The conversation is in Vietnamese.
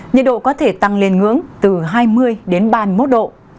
nhiệt độ có thể tăng lên ngưỡng từ hai mươi đến ba mươi một độ